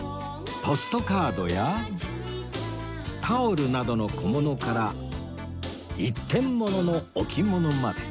ポストカードやタオルなどの小物から一点ものの置物まで